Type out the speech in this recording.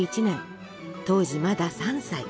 当時まだ３歳。